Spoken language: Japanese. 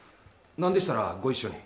何でしたらご一緒に。